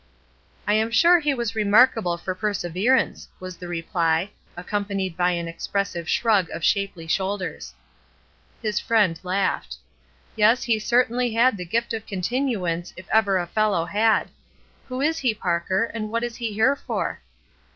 "I am sure he was remarkable for per sever THEORY AND PRACTICE 211 ance/* was the reply, accompanied by an expressive shrug of shapely shoulders. His friend laughed. "Yes, he certainly had the 'gift of continuance' if ever a fellow had. Who is he, Parker, and what is he here for?"